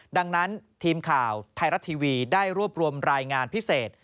ดังนั้นทีมข่าวไทยรัฐทีวีได้รวบรวมรายงานพิเศษ